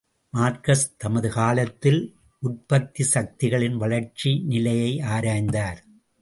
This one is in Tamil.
மார்க்ஸ் தமது காலத்தில் உற்பத்திச்சக்திகளின் வளர்ச்சி நிலையை ஆராய்ந்தார்.